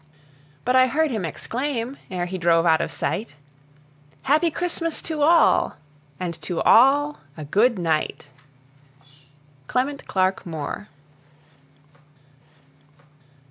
But I heard him exclaim, ere he drove out of sight, "Happy Christmas to all, and to all a good night." CLEMENT CLARKE MOORE.